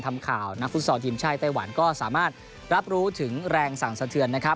ทำข่าวนักพรุษธรทีมชายเตยภวรก็สามารถรับรู้ถึงแรงสั่งเสธือน